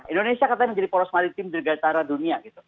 indonesia katanya menjadi polos maritim di negara negara dunia